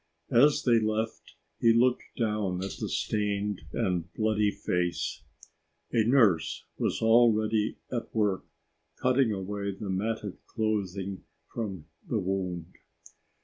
As they left, he looked down at the stained and bloody face. A nurse was already at work cutting away the matted clothing from the wound.